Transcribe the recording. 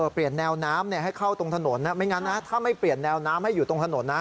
แนวน้ำให้เข้าตรงถนนไม่งั้นนะถ้าไม่เปลี่ยนแนวน้ำให้อยู่ตรงถนนนะ